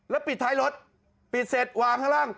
ปิดท้ายรถปิดเสร็จวางข้างล่าง